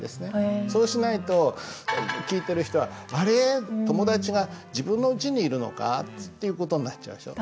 そうしないと聞いてる人は「あれ？友達が自分のうちにいるのか？」っていう事になっちゃうでしょ。